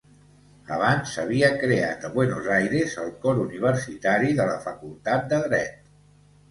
Abans havia creat a Buenos Aires el Cor Universitari de la Facultat de Dret.